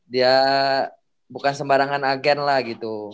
dia bukan sembarangan agen lah gitu